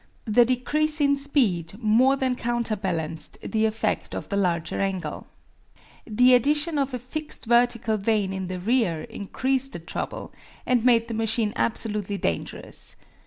The decrease in speed more than counterbalanced the effect of the larger angle. The addition of a fixed vertical vane in the rear increased the trouble, and made the machine absolutely dangerous.